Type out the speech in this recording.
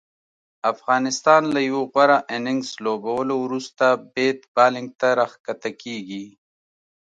افغانستان له یو غوره اننګز لوبولو وروسته بیت بالینګ ته راښکته کیږي